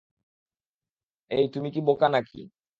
এই, তুমি কি বোকা নাকি?